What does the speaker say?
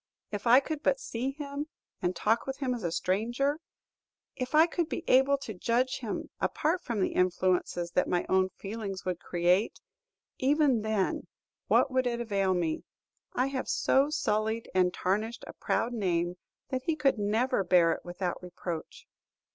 If I could but see him and talk with him as a stranger, if I could be able to judge him apart from the influences that my own feelings would create, even then, what would it avail me? I have so sullied and tarnished a proud name that he could never bear it without reproach.